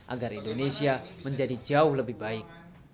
agar indonesia menjadi jauh lebih baik